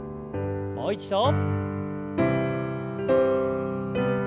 もう一度。